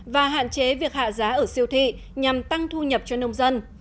và hạn chế việc hạ giá ở siêu thị nhằm tăng thu nhập cho nông dân